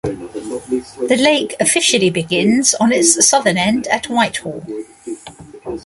The lake officially begins on its southern end at Whitehall.